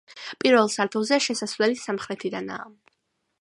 პირველ სართულზე შესასვლელი სამხრეთიდანაა.